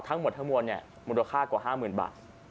ทั้งหมดมูลค่ากว่า๕๐๐๐๐บาท